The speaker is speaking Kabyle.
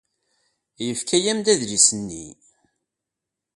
Yefka-am-d adlis-nni.